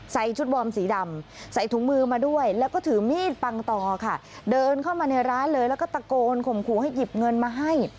ชุดวอร์มสีดำใส่ถุงมือมาด้วยแล้วก็ถือมีดปังต่อค่ะเดินเข้ามาในร้านเลยแล้วก็ตะโกนข่มขู่ให้หยิบเงินมาให้